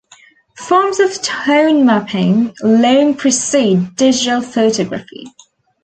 Forms of tone mapping long precede digital photography.